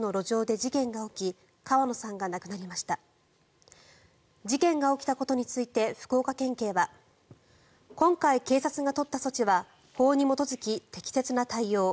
事件が起きたことについて福岡県警は今回警察が取った措置は法に基づき、適切な対応。